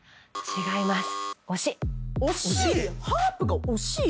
違います。